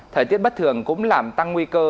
thời tiết bất thường cũng làm tăng nguy cơ